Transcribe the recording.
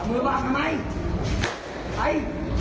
เอามือว่างกันไหมไอ้